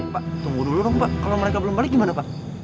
pak tunggu dulu dong pak kalau mereka belum balik gimana pak